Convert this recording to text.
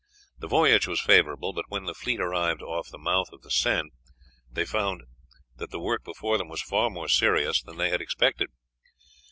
The voyage was favourable, but when the fleet arrived off the mouth of the Seine they found that the work before them was far more serious than they had expected.